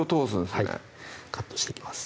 はいカットしていきます